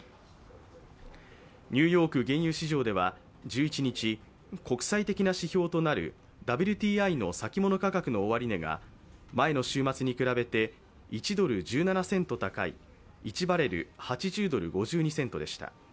ニューヨーク原油市場では１１日国際的な指標となるＷＴＩの先物価格の終値が前の週末に比べて１ドル１７セント高い１バレル＝８０ドル５２セントでした。